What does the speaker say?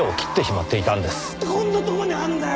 なんでこんなとこにあるんだよ！